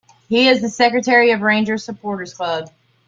He is the secretary of Rangers Supporters Club.